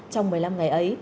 trong một mươi năm ngày ấy